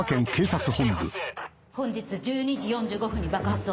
本日１２時４５分に爆発音。